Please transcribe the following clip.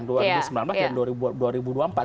dua ribu dua puluh empat dan dua ribu dua puluh empat